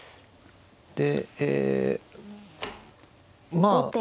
でまあ。